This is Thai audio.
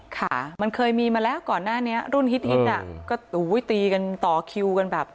ค่ะมันเคยมีมาแล้วก่อนหน้านี้รุ่นฮิตอ่ะก็ตีกันต่อคิวกันแบบ